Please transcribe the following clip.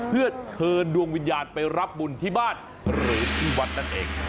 เพื่อเชิญดวงวิญญาณไปรับบุญที่บ้านหรือที่วัดนั่นเอง